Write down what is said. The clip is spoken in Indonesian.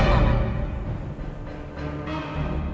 apa kelemahan dari kadipaten ini